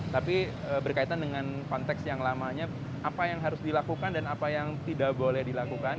tapi berkaitan dengan konteks yang lamanya apa yang harus dilakukan dan apa yang tidak boleh dilakukan